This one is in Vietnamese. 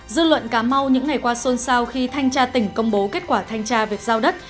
dư luận cà mau những ngày qua xôn xao khi thanh tra tỉnh công bố kết quả thanh tra việc giao đất